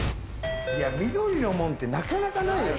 いや緑の物ってなかなかないよね。